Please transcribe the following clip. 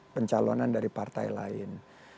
pencalonan dari partai lain